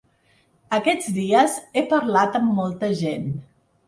Aquests dies he parlat amb molta gent.